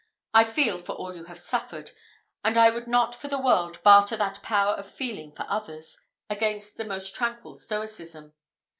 I feel for all you have suffered, and I would not for the world barter that power of feeling for others, against the most tranquil stoicism.